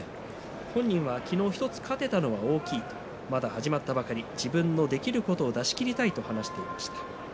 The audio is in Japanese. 本人は昨日１つ勝てたのはまだ始まったばかり自分のできることを出し切りたいと話していました。